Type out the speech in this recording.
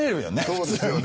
そうですよね。